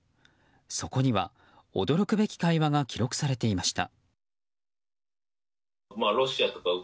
そこには、驚くべき会話が記録されていました。